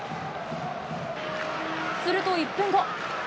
すると１分後。